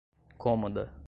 cômoda